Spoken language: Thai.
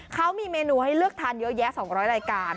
เขามีเมนูให้เลือกทานเยอะแยะ๒๐๐รายการ